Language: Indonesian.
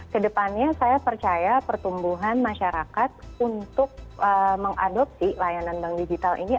kedepannya saya percaya pertumbuhan masyarakat untuk mengadopsi layanan bank digital ini